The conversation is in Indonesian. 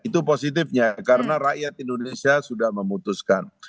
itu positifnya karena rakyat indonesia sudah memutuskan